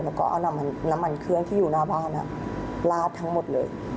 แล้วก็เอาน้ำมันเครื่องที่อยู่หน้าบ้านลาดทั้งหมดเลย